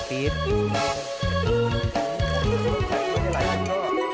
เป็นพันธุ์ปี๊ด